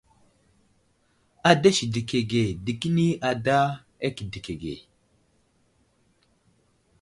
Ada sədək age dekəni ada kedək age.